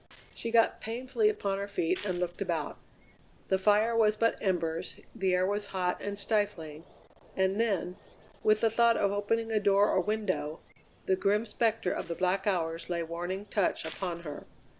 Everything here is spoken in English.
She got painfully upon her feet and looked about. The fire was but embers, the air was hot and stifling, and then, with the thought of opening a door or window, the grim spectre of the black hours lay warning touch upon her.